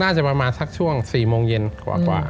น่าจะประมาณสักช่วง๔โมงเย็นกว่ากว่า